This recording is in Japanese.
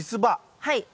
はい。